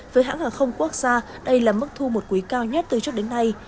với hãng hàng không quốc gia đây là mức thu một quý cao nhất từ trước đến nay